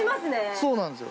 そうなんですよ。